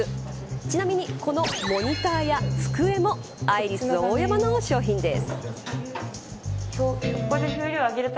ちなみにこのモニターや机もアイリスオーヤマの商品です。